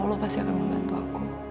allah pasti akan membantu aku